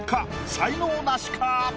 才能ナシか？